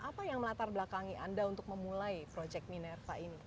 apa yang melatar belakangi anda untuk memulai proyek minerva ini